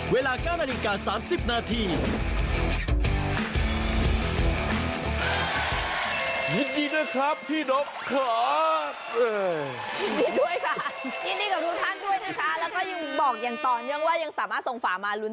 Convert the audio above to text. เวลา๙นาฬิกา๓๐นาที